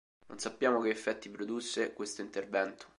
Non sappiamo che effetti produsse questo intervento.